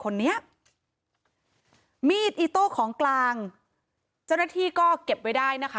คนนี้มีดอิโต้ของกลางเจ้าหน้าที่ก็เก็บไว้ได้นะคะ